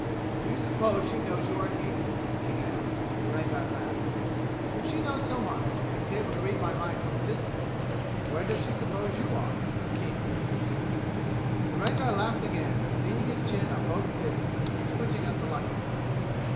"Do you suppose she knows you are here?" King asked, and the Rangar laughed. "If she knows so much, and is able to read my mind from a distance, where does she suppose you are?" King insisted. The Rangar laughed again, leaning his chin on both fists and switching out the light.